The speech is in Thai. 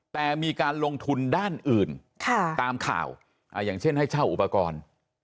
แต่มีการลงทุนด้านอื่นตามข่าวอย่างเช่นให้เช่าอุปกรณ์